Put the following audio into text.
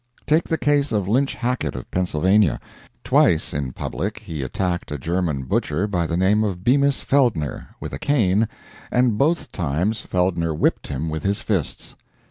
Take the case of Lynch Hackett, of Pennsylvania. Twice, in public, he attacked a German butcher by the name of Bemis Feldner, with a cane, and both times Feldner whipped him with his fists.